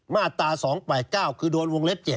มาตรา๒๘๙คือโดนวงเล็บ๗